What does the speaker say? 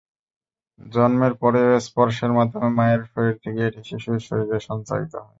জন্মের পরেও স্পর্শের মাধ্যমে মায়ের শরীর থেকে এটি শিশুর শরীরে সঞ্চারিত হয়।